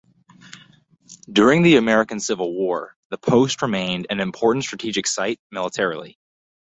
During the American Civil War, the post remained an important strategic site militarily.